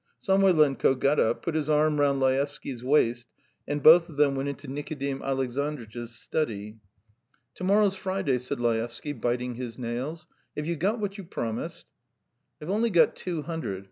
Samoylenko got up, put his arm round Laevsky's waist, and both of them went into Nikodim Alexandritch's study. "To morrow's Friday," said Laevsky, biting his nails. "Have you got what you promised?" "I've only got two hundred.